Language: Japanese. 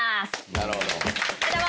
なるほど。